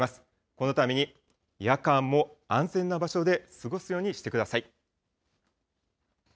このために、夜間も安全な場所で過ごすようにしてください。